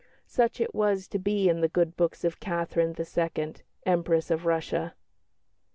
Such it was to be in the good books of Catherine II., Empress of Russia.